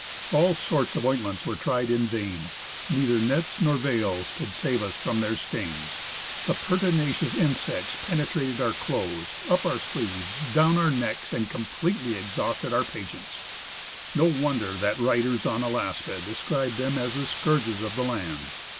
All sorts of ointments were tried in vain ; neither nets nor veils could save us from their stings ; the pertinacious insects penetrated our clothes, up our sleeves, 69 THE ASCENT OF MOUNT ST. ELIAS down our necks, and completely exhausted our patience. No wonder that writers on Alaska describe them as the scourQ[es of the land